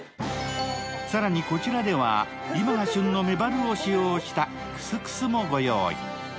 更にこちらでは今が旬のめばるを使用したクスクスもご用意。